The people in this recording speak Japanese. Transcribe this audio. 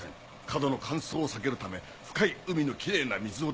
過度の乾燥をさけるため深い海のきれいな水を。